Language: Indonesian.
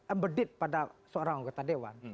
umbedate pada seorang anggota dewan